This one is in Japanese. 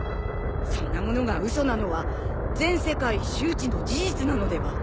そんなものが嘘なのは全世界周知の事実なのでは？